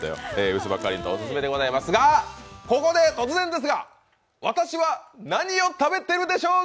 うす葉かりんとうオススメでございますが、ここで突然ですが、私は何を食べてるでしょう？